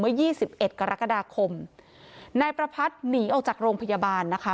ยี่สิบเอ็ดกรกฎาคมนายประพัทธ์หนีออกจากโรงพยาบาลนะคะ